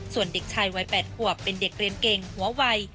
ส่วนเด็กชายวัย๘ขวบเป็นเด็กเรียนเก่งหัววัย